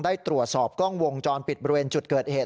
ได้ตรวจสอบกล้องวงจรปิดบริเวณจุดเกิดเหตุ